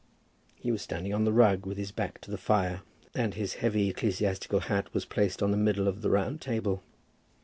He was standing on the rug, with his back to the fire, and his heavy ecclesiastical hat was placed on the middle of the round table.